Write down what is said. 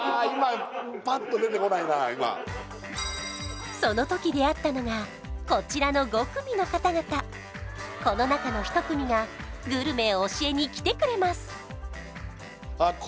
今その時出会ったのがこちらの５組の方々この中の１組がグルメを教えに来てくれますあ